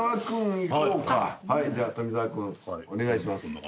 君お願いします。